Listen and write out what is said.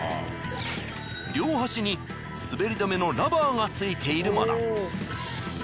両端に滑り止めのラバーがついているもの。